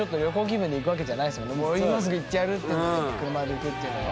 もう今すぐ行ってやるっていうので車で行くっていうのは。